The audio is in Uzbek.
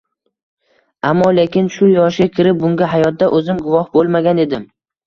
Ammo-lekin shu yoshga kirib bunga hayotda oʻzim guvoh boʻlmagan edim.